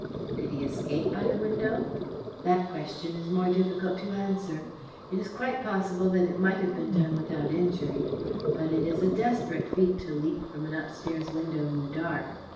"Did he escape by the window? That question is more difficult to answer. It is quite possible that it might have been done without injury, but it is a desperate feat to leap from an upstairs window in the dark.